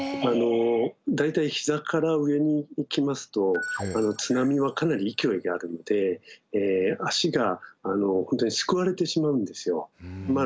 大体ひざから上に行きますと津波はかなり勢いがあるので足がすくわれてしまうんですよ。